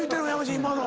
今の。